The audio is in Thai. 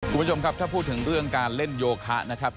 คุณผู้ชมครับถ้าพูดถึงเรื่องการเล่นโยคะนะครับ